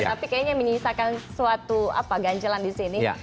tapi kayaknya menyisakan suatu ganjelan di sini